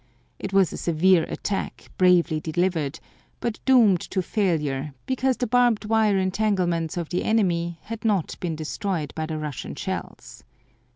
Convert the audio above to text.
It was a severe attack, bravely delivered, but doomed to failure because the barbed wire entanglements of the enemy had not been destroyed by the Russian shells.